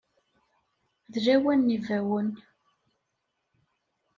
D lawan n yibawen.